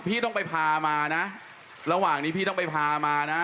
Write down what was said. พี่ต้องไปพามานะระหว่างนี้พี่ต้องไปพามานะ